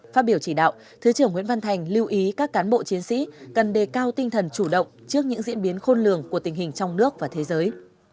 phát biểu chỉ đạo thứ trưởng nguyễn văn thành lưu ý các cán bộ chiến sĩ cần đề cao tinh thần chủ động trước những diễn biến khôn lường của tình hình trong nước và thế giới